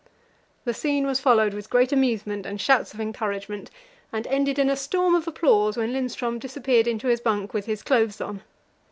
The scene was followed with great amusement and shouts of encouragement, and ended in a storm of applause when Lindström disappeared into his bunk with his clothes on.